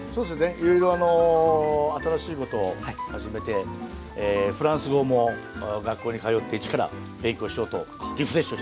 いろいろあの新しいことを始めてフランス語も学校に通って一から勉強しようとリフレッシュをしております。